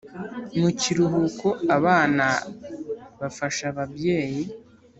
mu kiruhuko abana bafasha ababyeyi